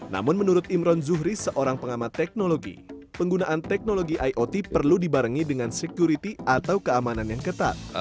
namun menurut imron zuhris seorang pengamat teknologi penggunaan teknologi iot perlu dibarengi dengan security atau keamanan yang ketat